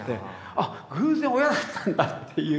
「あっ偶然親だったんだ」っていうか。